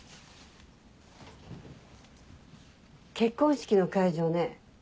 結婚式の会場ね